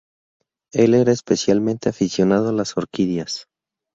Él era especialmente aficionado a las orquídeas.